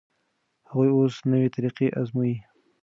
هغوی اوس نوې طریقه ازمويي.